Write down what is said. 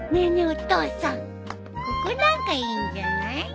お父さんここなんかいいんじゃない？